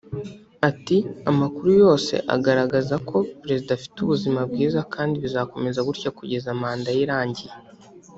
Ati “ Amakuru yose agaragaza ko perezida afite ubuzima bwiza kandi bizakomeza gutya kugeza manda ye irangiye